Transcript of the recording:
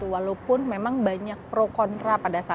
walaupun memang banyak prokondisi